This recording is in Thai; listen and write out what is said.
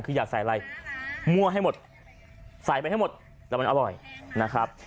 คืออยากใส่อะไรมั่วให้หมดใส่ไปให้หมดแต่มันอร่อยนะครับ